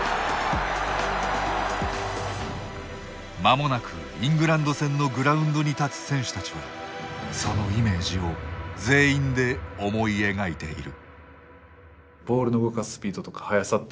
まもなくイングランド戦のグラウンドに立つ選手たちはそのイメージを全員で思い描いている。